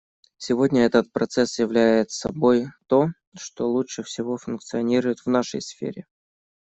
Сегодня этот процесс являет собой то, что лучше всего функционирует в нашей сфере.